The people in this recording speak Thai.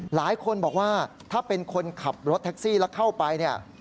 หลายคนบอกว่าถ้าเป็นคนขับรถแท็กซี่แล้วเข้าไปเนี่ย